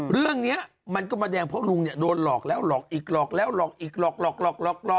เรื่องนี้มันก็มาแดงเพราะลุงเนี่ยโดนหลอกแล้วหลอกอีกหลอกแล้วหลอกอีกหลอกหลอก